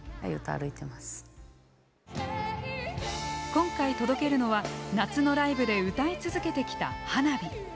今回、届けるのは夏のライブで歌い続けてきた「ＨＡＮＡＢＩ」。